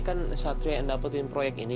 kan satria yang dapetin proyek ini